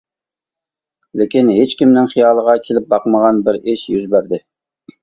لېكىن ھېچكىمنىڭ خىيالىغا كېلىپ باقمىغان بىر ئىش يۈز بەردى.